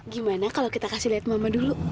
gimana kalau kita kasih lihat mama dulu